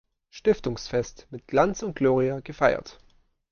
Stiftungsfest mit Glanz und Gloria gefeiert.